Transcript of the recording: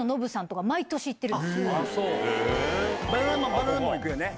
バナナマンも行くよね。